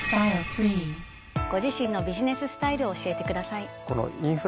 ご自身のビジネススタイルを教えてください。